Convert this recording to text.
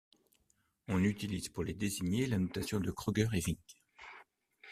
On utilise pour les désigner le notation de Kröger et Vink.